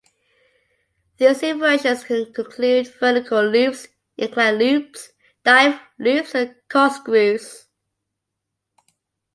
These inversions can include vertical loops, incline loops, dive loops and corkscrews.